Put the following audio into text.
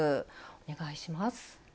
お願いします。